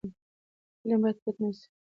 علم باید پټ نه سي.